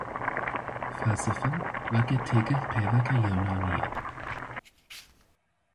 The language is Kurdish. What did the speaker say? Felsefe weke têgih peyveke yewnanî ye.